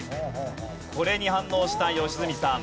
これに反応した良純さん。